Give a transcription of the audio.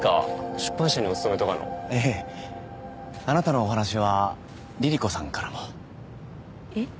出版社にお勤めとかのええあなたのお話はリリ子さんからもえっ？